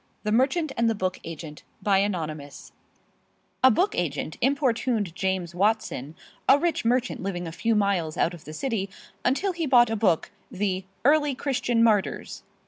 THE MERCHANT AND THE BOOK AGENT ANONYMOUS A book agent importuned James Watson, a rich merchant living a few miles out of the city, until he bought a book, the "Early Christian Martyrs."